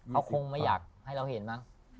เขาคงไม่อยากให้เราเห็นมั้ง